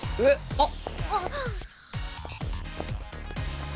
あっ。